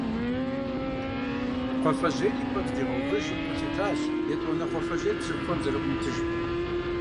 Кхъуафэжьейр и пӀэм здигъэувыжым, гу лъитащ етӀуанэ кхъуафэжьейр псы Ӏуфэм зэрыӀумытыжым.